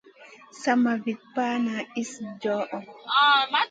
Sama Vit pana iss djoho.